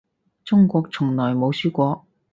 中國從來冇輸過